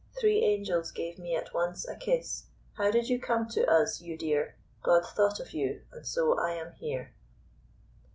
Three angels gave me at once a kiss. How did you come to us, you dear? God thought of you, and so I am here.